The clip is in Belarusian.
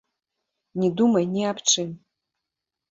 Не думай ні аб чым.